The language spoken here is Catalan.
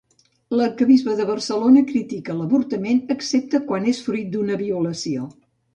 L'arquebisbe de Barcelona critica l'avortament excepte quan és fruit d'una violació.